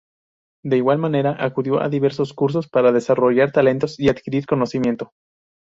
De igual manera acudió a diversos cursos para desarrollar talentos y adquirir conocimiento.